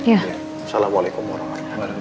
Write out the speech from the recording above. assalamualaikum warahmatullahi wabarakatuh